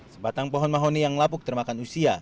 sebatang pohon mahoni yang lapuk termakan usia